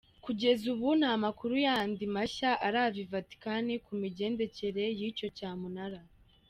Kugeza ubu nta makuru yandi mashya arava I Vatican ku migendekere y’iyo cyamunara.